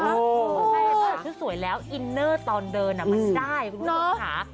ใช่ถ้าเกิดชุดสวยแล้วอินเนอร์ตอนเดินมันได้